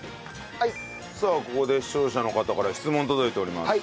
さあここで視聴者の方から質問届いております。